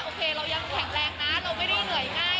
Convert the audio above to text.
โอเคเรายังแข็งแรงนะเราไม่ได้เหนื่อยง่าย